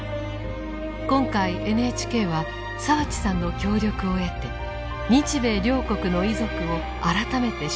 今回ＮＨＫは澤地さんの協力を得て日米両国の遺族を改めて取材。